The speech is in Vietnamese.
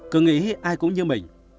cứ nghĩ ai cũng như mình